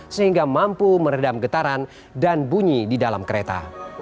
sehingga mampu meredam getaran dan bunyi di dalam kereta